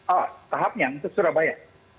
oh tahapnya untuk surabaya